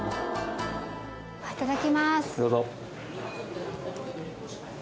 いただきます。